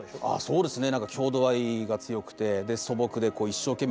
そうですね。